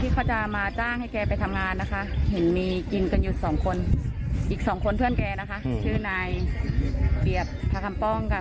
คียุค่ะ